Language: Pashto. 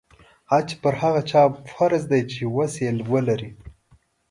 حج پر هغه چا فرض دی چې وسه یې ولري.